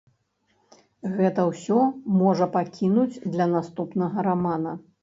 Гэта ўсё можа пакінуць для наступнага рамана.